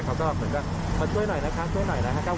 ใคร่เมื่อกลางเขาก็เธอน่อยนะคะ